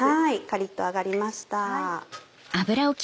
カリっと揚がりました。